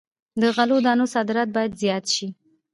د غلو دانو صادرات باید زیات شي.